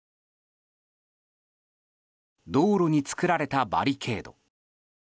道路に作られたバリケード。